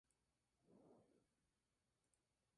Rosenthal es judía.